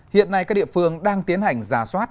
hiện nay các địa phương đang tiến hành giả soát